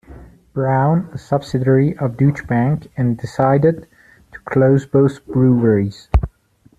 Brown, a subsidiary of Deutsche Bank, and decided to close both breweries.